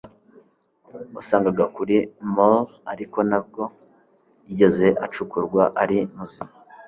wasangaga kuri moor ariko ntabwo yigeze acukurwa ari muzima